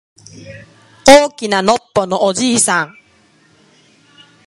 大きなのっぽのおじいさん